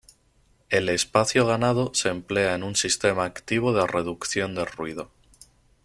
El espacio ganado se emplea en un sistema activo de reducción de ruido.